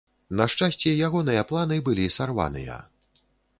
На шчасце, ягоныя планы былі сарваныя.